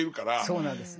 そうなんです。